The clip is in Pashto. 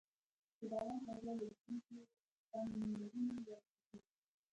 د باران پر ځای له وریځو، تندرونه را کوزیږی